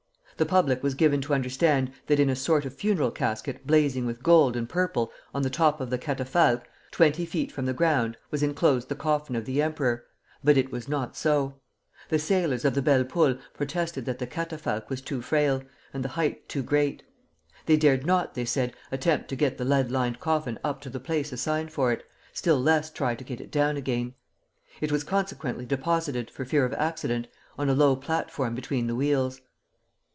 The public was given to understand that in a sort of funeral casket blazing with gold and purple, on the top of the catafalque, twenty feet from the ground, was enclosed the coffin of the Emperor; but it was not so. The sailors of the "Belle Poule" protested that the catafalque was too frail, and the height too great. They dared not, they said, attempt to get the lead lined coffin up to the place assigned for it, still less try to get it down again. It was consequently deposited, for fear of accident, on a low platform between the wheels.